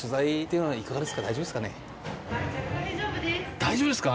大丈夫ですか？